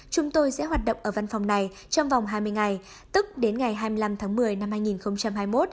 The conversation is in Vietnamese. chúng tôi sẽ hoạt động ở văn phòng này trong vòng hai mươi ngày tức đến ngày hai mươi năm tháng một mươi năm hai nghìn hai mươi một